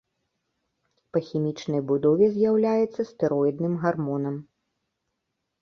Па хімічнай будове з'яўляецца стэроідным гармонам.